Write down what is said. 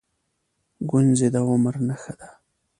گونځې د عمر نښه ده.